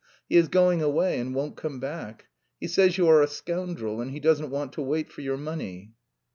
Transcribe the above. He is going away and won't come back. He says you are a scoundrel and he doesn't want to wait for your money."